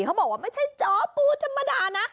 เขาบอกว่าไม่ใช่จอปูธรรมดานะ